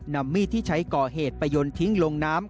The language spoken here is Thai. นำมีดที่ใช้ก่อเหตุไปยนต์ทิ้งลงน้ำ